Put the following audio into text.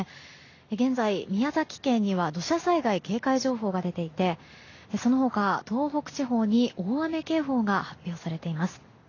現在、宮崎県には土砂災害警戒情報が出ていてその他、東北地方に大雨警報が発表されています。